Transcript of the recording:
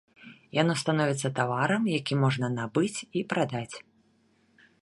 Яно становіцца таварам, які можна набыць і прадаць.